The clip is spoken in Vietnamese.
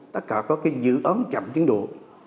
tất cả các dự án chậm tiến độ